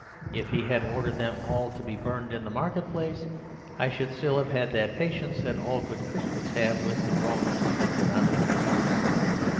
If he had ordered them all to be burned in the market place, I should still have had that patience that all good Christians have with the wrongs inflicted on other people.